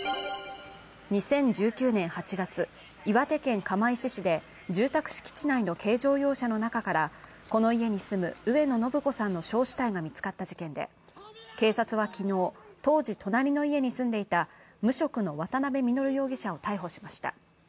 ２０１９年８月、岩手県釜石市で住宅敷地内の軽乗用車の中からこの家に住む上野誠子さんの焼死体が見つかった事件で警察は昨日、当時、隣の家に住んでいた無職の渡部稔容疑者を逮捕しました。